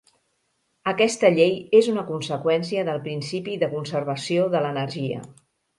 Aquesta llei és una conseqüència del principi de conservació de l'energia.